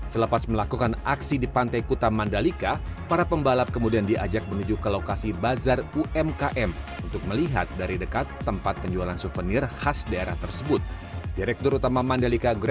selepas melakukan aksi di pantai kuta mandalika para pembalap kemudian diajak menuju ke lokasi bazar umkm untuk melihat dari dekat tempat penjualan souvenir khas daerah tersebut